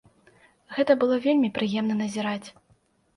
Гэта было вельмі прыемна назіраць.